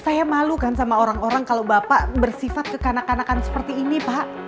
saya malu kan sama orang orang kalau bapak bersifat kekanak kanakan seperti ini pak